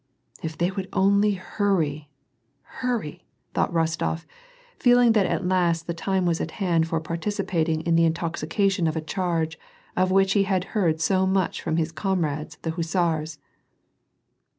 "If they would only hurry, hurry,'' thought Eostof, feeling that at last the time was at hand for participating in the intoxication of a charge of which he had heard so much from his comrades, the hussars.